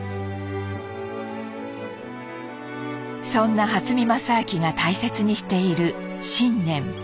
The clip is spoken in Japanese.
そんな初見良昭が大切にしている信念。